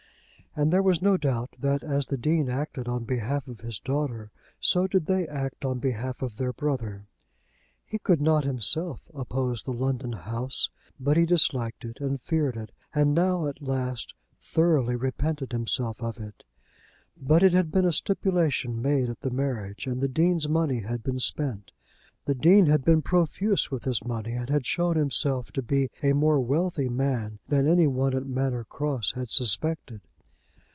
And there was no doubt that, as the Dean acted on behalf of his daughter, so did they act on behalf of their brother. He could not himself oppose the London house; but he disliked it and feared it, and now, at last, thoroughly repented himself of it. But it had been a stipulation made at the marriage; and the Dean's money had been spent. The Dean had been profuse with his money, and had shown himself to be a more wealthy man than any one at Manor Cross had suspected.